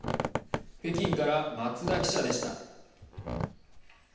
北京から松田記者でした。